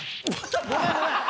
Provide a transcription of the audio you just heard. ごめんごめん。